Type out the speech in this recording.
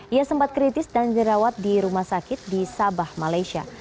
ia sempat kritis dan dirawat di rumah sakit di sabah malaysia